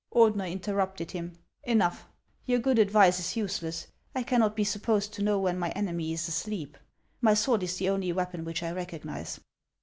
Ordener interrupted him :" Enough. Your good advice is useless. I cannot be supposed to know when my enemy is asleep. My sword is the only weapon which I recognize."